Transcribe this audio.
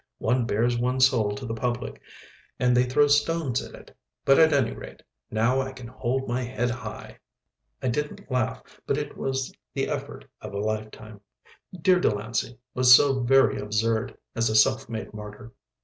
"One bares one's soul to the public and they throw stones at it. But at any rate, now I can hold my head high." I didn't laugh, but it was the effort of a lifetime. Dear Delancey was so very absurd as a self made martyr.